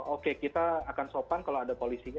oke kita akan sopan kalau ada polisinya